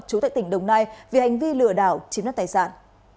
trú tại tỉnh đồng nai vì hành vi lừa đảo chiếm đất tài sản